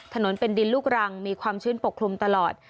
ถนนเป็นดินลูกรังมีความชื้นปกคลุมตลอด